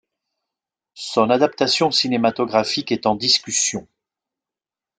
Son adaptation cinématographique est en discussion.